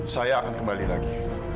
saya akan kembali lagi